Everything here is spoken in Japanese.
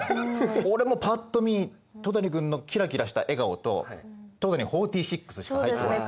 俺もぱっと見戸谷君のキラキラした笑顔と「戸谷４６」しか入ってこない。